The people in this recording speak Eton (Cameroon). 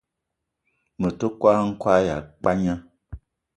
Me te kwal-n'kwal ya pagna